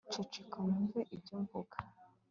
ceceka unyumve ibyo mvuga